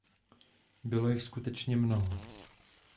Bylo jich skutečně mnoho.